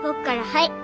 はい。